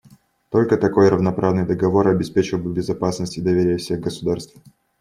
Только такой равноправный договор обеспечил бы безопасность и доверие всех государств.